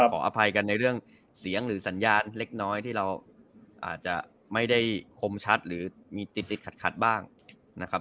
ขออภัยกันในเรื่องเสียงหรือสัญญาณเล็กน้อยที่เราอาจจะไม่ได้คมชัดหรือมีติดติดขัดบ้างนะครับ